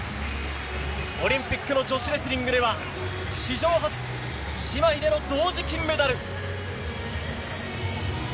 オリンピックの女子レスリングでは史上初、姉妹での同時金メダル。